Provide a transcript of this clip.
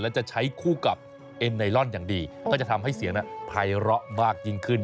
และจะใช้คู่กับเอ็นไนลอนอย่างดีก็จะทำให้เสียงภัยร้อมากยิ่งขึ้น